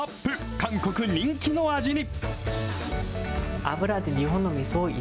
韓国人気の味に。